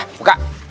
nanti kabur lagi